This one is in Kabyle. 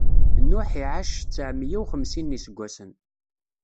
Nuḥ iɛac tseɛ meyya uxemsin n iseggasen.